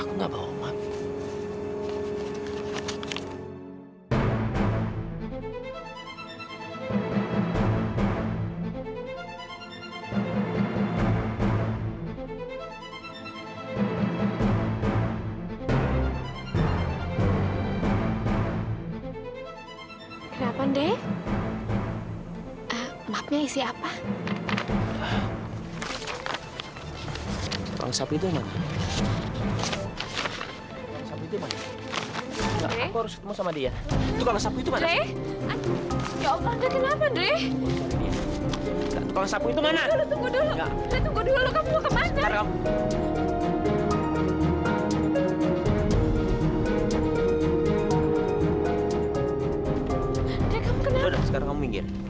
udah sekarang kamu minggir